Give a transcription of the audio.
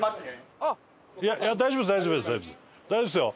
大丈夫ですよ！